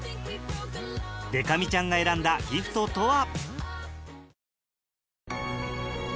でか美ちゃんが選んだギフトとは？